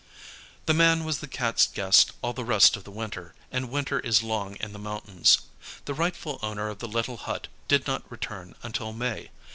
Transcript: The man was the Cat's guest all the rest of the winter, and winter is long in the mountains. The rightful owner of the little hut did not return until May.